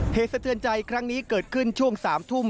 เหตุสะเทือนใจครั้งนี้เกิดขึ้นช่วง๓ทุ่ม